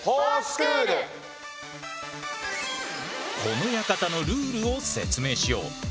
この館のルールを説明しよう。